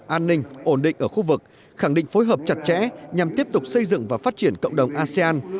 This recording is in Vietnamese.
an ninh ổn định ở khu vực khẳng định phối hợp chặt chẽ nhằm tiếp tục xây dựng và phát triển cộng đồng asean